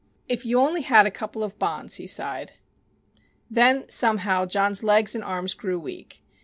"If you only had a couple of bonds," he sighed. Then somehow John's legs and arms grew weak.